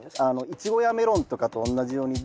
イチゴやメロンとかと同じようにへえ。